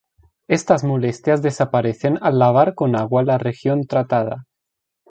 Estas molestias desaparecen al lavar con agua la región tratada.